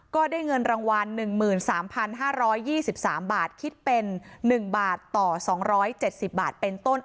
ก็ได้เงินรางวัล๑๓๕๒๓บาทคิดเป็น๑บาทต่อ๒๗๐บาทเป็นต้น